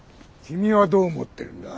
君はどう思ってるんだ？